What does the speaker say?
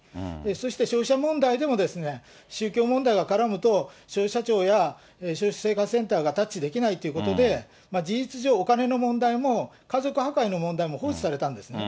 そして消費者問題でも、宗教問題が絡むと、消費者庁や消費生活センターがタッチできないということで、事実上、お金の問題も家族破壊の問題も放置されたんですね。